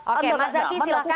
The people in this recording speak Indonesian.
oke mas zaky silahkan